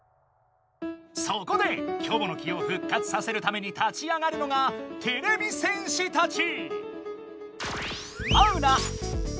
そこでキョボの木を復活させるために立ち上がるのがてれび戦士たち！